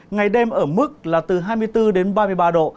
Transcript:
ngày đêm ở mức là từ hai mươi bốn đến ba mươi ba độ